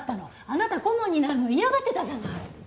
あなた顧問になるの嫌がってたじゃない。